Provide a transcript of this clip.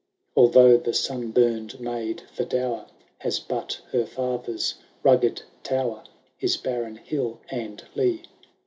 Although the sun bumM maid, for dower, ' Has but her fstther^ rugged tower. His barren hill and lee.